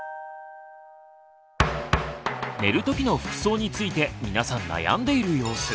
寝る時の服装について皆さん悩んでいる様子。